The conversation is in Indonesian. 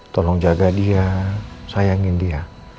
tolong jaga dia sayangin dia